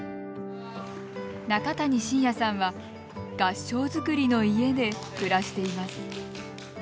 中谷真也さんは合掌造りの家で暮らしています。